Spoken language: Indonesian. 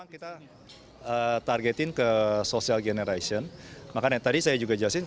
kita targetin ke social generation makanya tadi saya juga jelasin